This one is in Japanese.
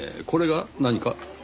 これが何か？